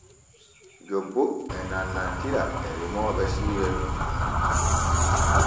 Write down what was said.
Jobbo e nanantira e remooɓe siire nun.